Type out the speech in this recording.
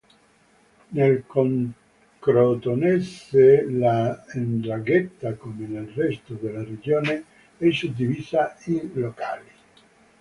Nel crotonese la 'ndrangheta, come nel resto della regione, è suddivisa in "locali".